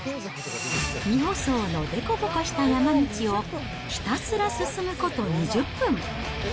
未舗装の凸凹した山道をひたすら進むこと２０分。